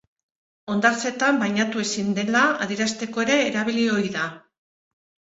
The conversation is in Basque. Hondartzetan bainatu ezin dela adierazteko ere erabili ohi da.